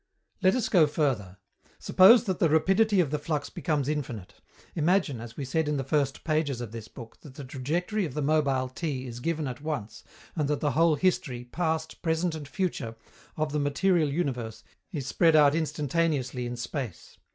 Let us go further. Suppose that the rapidity of the flux becomes infinite. Imagine, as we said in the first pages of this book, that the trajectory of the mobile T is given at once, and that the whole history, past, present and future, of the material universe is spread out instantaneously in space.